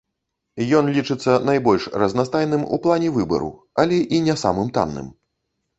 Ён лічыцца найбольш разнастайным у плане выбару, але і не самым танным.